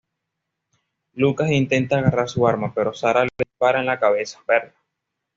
Lucas intenta agarrar su arma, pero Sara le dispara en la cabeza.